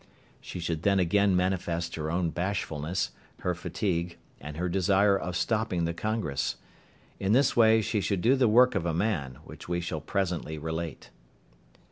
She should then again manifest her own bashfulness, her fatigue, and her desire of stopping the congress. In this way she should do the work of a man, which we shall presently relate.